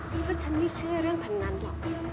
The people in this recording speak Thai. เพราะฉันไม่เชื่อเรื่องพันธุ์นั้นหรอก